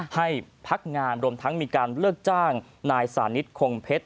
ให้พักงานรวมทั้งมีการเลิกจ้างนายสานิทคงเพชร